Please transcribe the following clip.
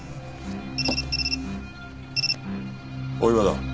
大岩だ。